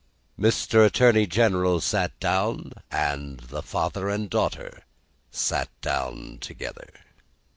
Mr. Attorney General sat down, and the father and daughter sat down together.